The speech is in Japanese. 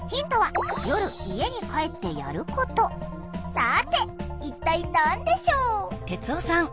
さて一体何でしょう？